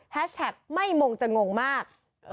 แท็กไม่มงจะงงมาก